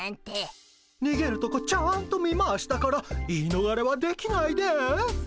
にげるとこちゃんと見ましたから言い逃れはできないです。